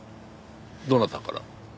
どなたから？